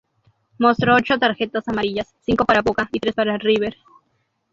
Mostró ocho tarjetas amarillas, cinco para Boca y tres para River.